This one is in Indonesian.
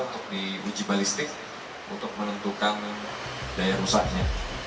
untuk diuji balistik untuk menentukan daya rusaknya